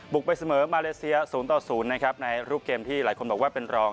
บุกไปเสมอมาเลเซีย๐๐ในรูปเกมที่หลายคนบอกว่าเป็นรอง